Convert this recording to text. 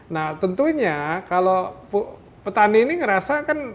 nah tentunya kalau petani ini ngerasa kan